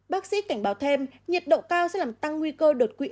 bác sĩ cảnh báo thêm nhiệt độ cao sẽ làm tăng nguy cơ đột quỵ